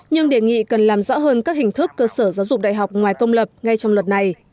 nhưng đề nghị cần làm rõ hơn các hình thức cơ sở giáo dục đại học ngoài công lập ngay trong luật này